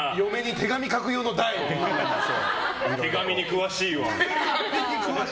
手紙に詳しいわ。